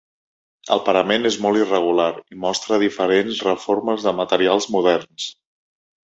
El parament és molt irregular i mostra diferents reformes de materials moderns.